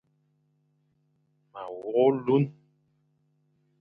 Ma wogh olune.